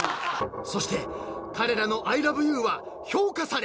［そして彼らの『ＩＬＯＶＥＹＯＵ』は評価され］